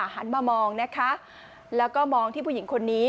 หันมามองนะคะแล้วก็มองที่ผู้หญิงคนนี้